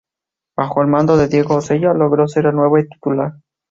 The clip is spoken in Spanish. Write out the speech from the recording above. Bajo el mando de Diego Osella logró ser el nueve titular.